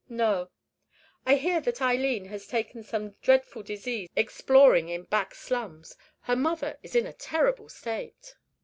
"No." "I hear that Eileen has taken some dreadful disease exploring in back slums. Her mother is in a terrible state."